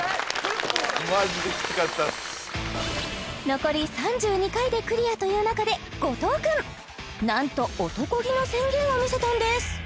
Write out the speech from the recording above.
残り３２回でクリアという中で後藤君なんと男気の宣言を見せたんです